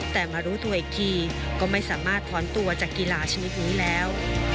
แต่มารู้ตัวอีกทีก็ไม่สามารถถอนตัวจากกีฬาชนิดนี้แล้ว